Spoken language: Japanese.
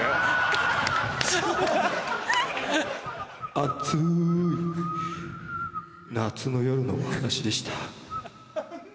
熱い夏の夜のお話でした。